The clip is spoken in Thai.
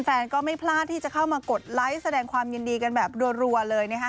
แฟนก็ไม่พลาดที่จะเข้ามากดไลค์แสดงความยินดีกันแบบรัวเลยนะคะ